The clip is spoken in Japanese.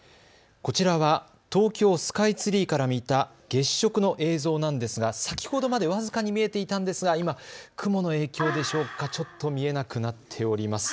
こちらは東京スカイツリーから見た月食の映像なんですが先ほどまで僅かに見えていたんですが、今、雲の影響でしょうかちょっと見えなくなっています。